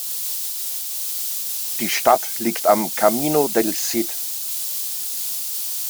Die Stadt liegt am "Camino del Cid".